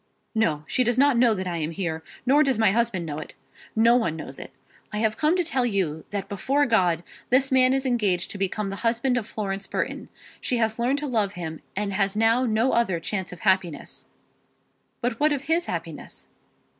"No; she does not know that I am here; nor does my husband know it. No one knows it. I have come to tell you that before God this man is engaged to become the husband of Florence Burton. She has learned to love him, and has now no other chance of happiness." "But what of his happiness?"